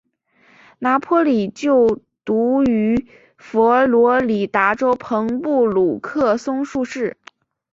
拿坡里就读于佛罗里达州朋布鲁克松树市。